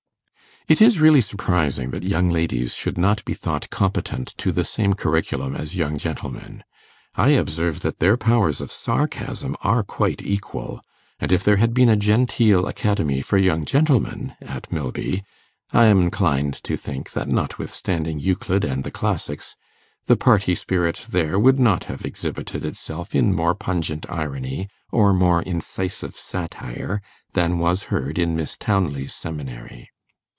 It is really surprising that young ladies should not be thought competent to the same curriculum as young gentlemen. I observe that their powers of sarcasm are quite equal; and if there had been a genteel academy for young gentlemen at Milby, I am inclined to think that, notwithstanding Euclid and the classics, the party spirit there would not have exhibited itself in more pungent irony, or more incisive satire, than was heard in Miss Townley's seminary.